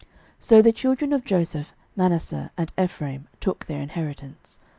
06:016:004 So the children of Joseph, Manasseh and Ephraim, took their inheritance.